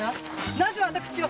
なぜ私を？